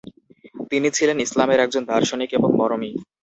তিনি ছিলেন ইসলামের একজন দার্শনিক এবং মরমী।